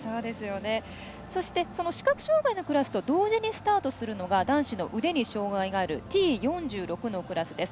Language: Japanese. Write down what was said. そして視覚障がいのクラスと同時にスタートするのが男子の腕に障がいがあるＴ４６のクラスです。